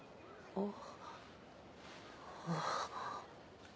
あっ。